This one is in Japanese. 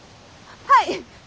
はい！